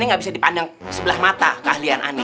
ane gak bisa dipandang sebelah mata keahlian ane